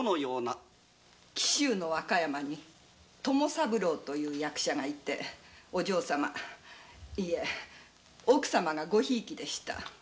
紀州和歌山に友三郎という役者がいてお嬢様イェ奥様がごひいきでした。